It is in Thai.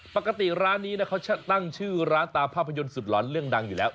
ปกติร้านนี้เขาจะตั้งชื่อร้านตามภาพยนตร์สุดหลอนเรื่องดังอยู่แล้ว